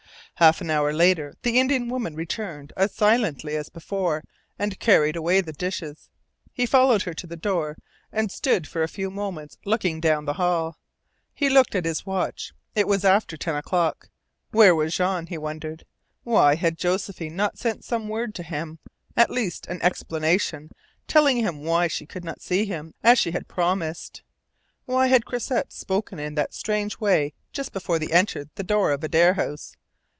Half an hour later the Indian woman returned as silently as before and carried away the dishes. He followed her to the door and stood for a few moments looking down the hall. He looked at his watch. It was after ten o'clock. Where was Jean? he wondered. Why had Josephine not sent some word to him at least an explanation telling him why she could not see him as she had promised? Why had Croisset spoken in that strange way just before they entered the door of Adare House?